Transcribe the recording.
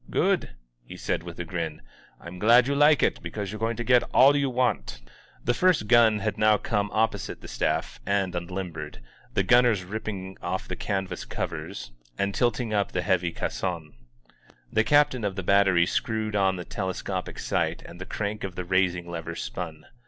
"Good," he said with a grin. "I'm glad you like it, because you're going to get all you want." The first gun had now come opposite the staff and unlimbered, the gunners ripping off the canvas covers 217 INSURGENT MEXICO and tilting up the heavy caisson. The captain of the battery screwed on the telescopic sight and the crank of the raising^lever spun.